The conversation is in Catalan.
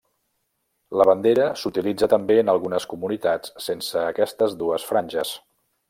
La bandera s'utilitza també en algunes comunitats sense aquestes dues franges.